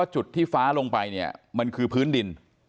จุดที่ฟ้าลงไปเนี่ยมันคือพื้นดิน